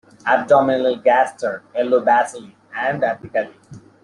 Abdominal gaster yellow basally and apically.